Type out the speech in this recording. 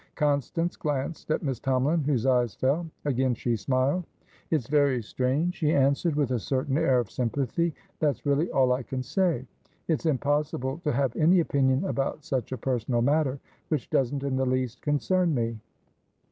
Constance glanced at Miss Tomalin, whose eyes fell. Again she smiled. "It's very strange," she answered, with a certain air of sympathy. "That's really all I can say. It's impossible to have any opinion about such a personal matter, which doesn't in the least concern me."